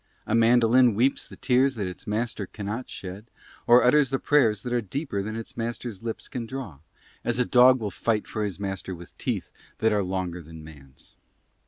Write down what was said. A mandolin weeps the tears that its master cannot shed, or utters the prayers that are deeper than its master's lips can draw, as a dog will fight for his master with teeth that are longer than man's.